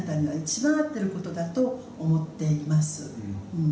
「うん。